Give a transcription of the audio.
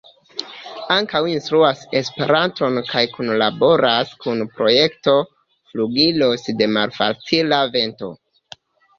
Ankaŭ instruas Esperanton kaj kunlaboras kun la projekto Flugiloj de Malfacila Vento.